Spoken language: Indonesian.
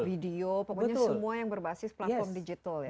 video pokoknya semua yang berbasis platform digital ya